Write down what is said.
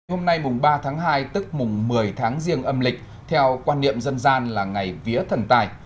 hôm nay mùng ba tháng hai tức mùng một mươi tháng riêng âm lịch theo quan niệm dân gian là ngày vía thần tài